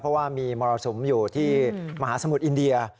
เพราะว่ามีมรสุมอยู่ที่มหาสมุทรอินเดีย